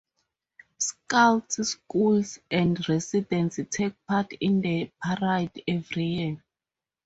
Scouts, schools and residents take part in the parade every year.